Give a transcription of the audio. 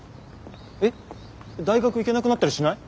えっ大学行けなくなったりしない？